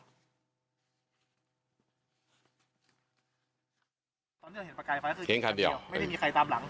ตอนนี้เห็นประกายไฟรถคันเดียวไม่ได้มีใครตามหลัง